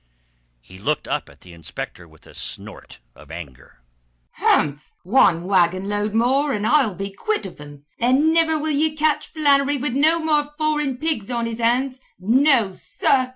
He looked up at the inspector with a snort of anger. "Wan wagonload more an, I'll be quit of thim, an' niver will ye catch Flannery wid no more foreign pigs on his hands. No, sur!